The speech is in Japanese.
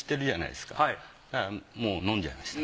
だからもう飲んじゃいました。